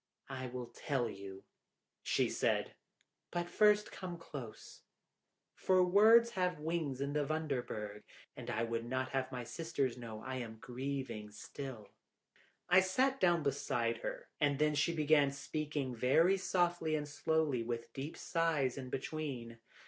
"I will tell you," she said, "but first come close. For words have wings in the Wunderberg, and I would not have my sisters know I am grieving still." I sat down beside her, and then she began, speaking very softly and slowly, with deep sighs in between.